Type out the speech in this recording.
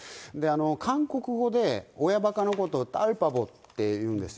韓国語で親ばかのことを、って言うんですよ。